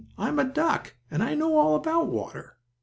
"I am a duck, and I know all about water!"